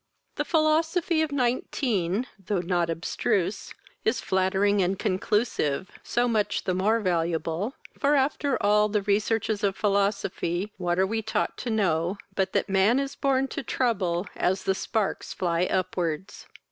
The philosophy of nineteen, though not abstruse, is flattering and conclusive; so much the more valuable; for, after all the researches of philosophy, what are we taught to know, but that man is born to trouble as the sparks fly upwards?